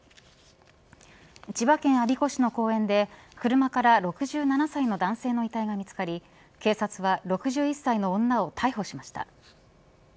千葉県我孫子市の公園で車から６７歳の男性の遺体が見付かり警察は６１歳の女を逮捕しました。